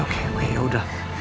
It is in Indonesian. oke oke yaudah